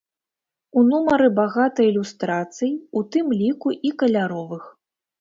У нумары багата ілюстрацый, у тым ліку і каляровых.